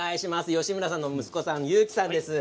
吉村さんの息子さんの勇毅さんです。